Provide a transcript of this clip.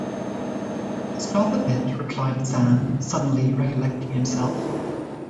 ‘Stop a bit,’ replied Sam, suddenly recollecting himself.